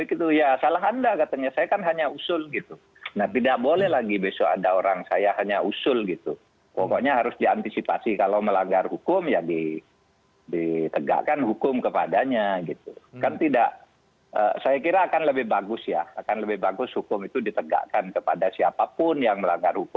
itu yang di banten itu ada yang ya